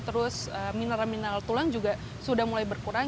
terus mineral mineral tulang juga sudah mulai berkurang